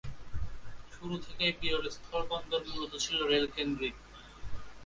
শুরু থেকেই বিরল স্থলবন্দর মূলত ছিল রেল কেন্দ্রিক।